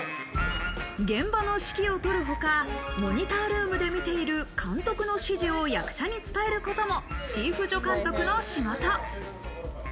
現場の指揮を執るほか、モニタールームで見ている監督の指示を役者に伝えることも、チーフ助監督の仕事。